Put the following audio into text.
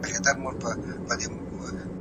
د کوچني په مرستې سره مي خپلي خوني پاکي کړې.